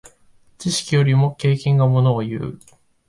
知識よりも経験がものをいう。